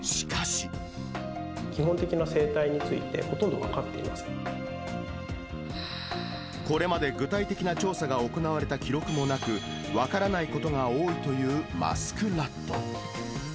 基本的な生態について、これまで具体的な調査が行われた記録もなく、分からないことが多いというマスクラット。